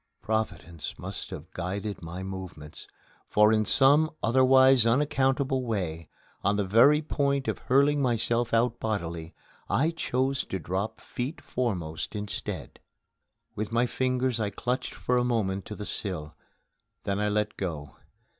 Providence must have guided my movements, for in some otherwise unaccountable way, on the very point of hurling myself out bodily, I chose to drop feet foremost instead. With my fingers I clung for a moment to the sill. Then I let go.